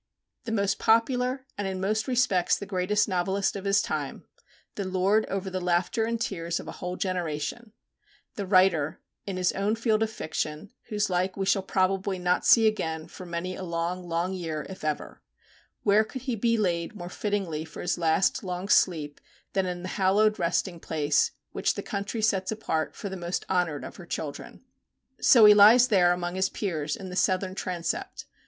The most popular, and in most respects the greatest novelist of his time; the lord over the laughter and tears of a whole generation; the writer, in his own field of fiction, whose like we shall probably not see again for many a long, long year, if ever; where could he be laid more fittingly for his last long sleep than in the hallowed resting place which the country sets apart for the most honoured of her children? So he lies there among his peers in the Southern Transept.